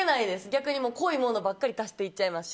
逆に濃いものばっかり足していっちゃいます。